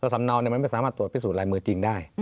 สำเนามันไม่สามารถตรวจพิสูจนลายมือจริงได้